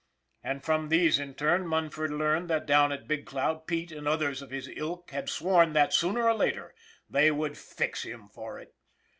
And from these in turn Munford learned that down at Big Cloud, Pete and others of his ilk had sworn that, sooner or later, they would fix him for it.